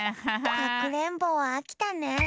かくれんぼあきたね。